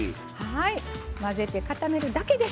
混ぜて固めるだけです。